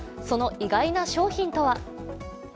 その意外な商品とは？